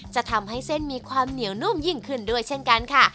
จะทำให้เส้นมีความเหนียวนุ่มยิ่งขึ้นด้วยเช่นกันค่ะ